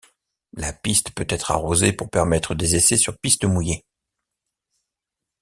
La piste peut être arrosée pour permettre des essais sur piste mouillée.